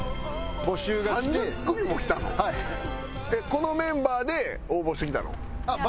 このメンバーで応募してきたの？